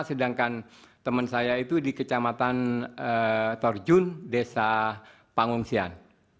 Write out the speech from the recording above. sedangkan teman saya itu di kecamatan torjun desa pangungsian